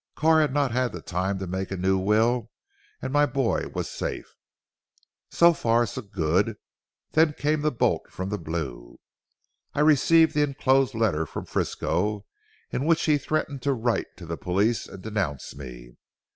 Carr had not had the time to make a new will, and my boy was safe." "So far, so good, then came the bolt from the blue. I received the enclosed letter from Frisco, in which he threatened to write to the police and denounce me.